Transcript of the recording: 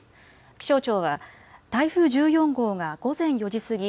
気象庁は台風１４号が午前４時過ぎ